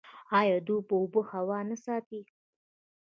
آیا دوی اوبه او هوا نه ساتي؟